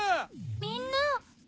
みんな。